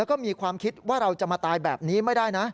แล้วก็มีความคิดว่าเราจะมาตายแบบนี้ไม่ได้นะ